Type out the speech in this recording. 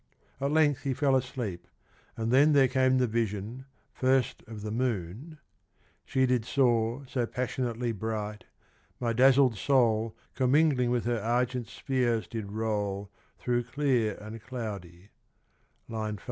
At length he fell asleep and then there came the vision, first of the moon : She did soar So passionately bright, my dazzled soul Commingling with her argent spheres did roll Through clear and cloudy : (I.